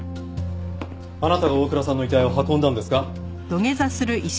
あなたが大倉さんの遺体を運んだんですか？